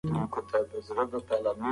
له دې ملګري سره اړیکه وساتئ.